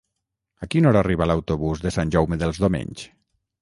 A quina hora arriba l'autobús de Sant Jaume dels Domenys?